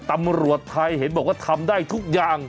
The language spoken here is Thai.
ตำรวจไทยเห็นบอกว่าทำได้ทุกอย่าง